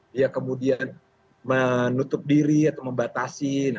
dia kemudian menutup diri atau membatasi